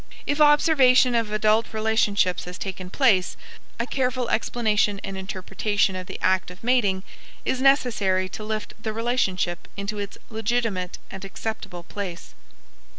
If observation of adult relationships has taken place, a careful explanation and interpretation of the act of mating is necessary to lift the relationship into its legitimate and acceptable place.